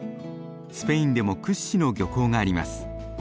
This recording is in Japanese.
スペインでも屈指の漁港があります。